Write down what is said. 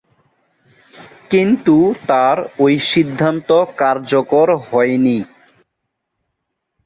কিন্ত, তার ঐ সিদ্ধান্ত কার্যকর হয়নি।